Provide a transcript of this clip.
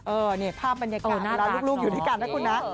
นี่ภาพบรรยากาศเวลาลูกอยู่ด้วยกันนะคุณนะ